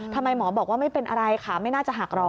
ทำไมหมอบอกว่าไม่เป็นอะไรขาไม่น่าจะหักหรอ